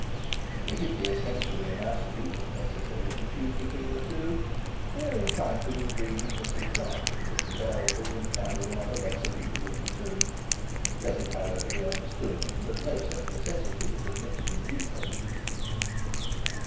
If it be essentially and absolutely necessary to choose between the two, we are inclined to agree with Mrs Grantly that the bell, book, and candle are the lesser evil of the two. Let it however be understood that no such necessity is admitted in these pages.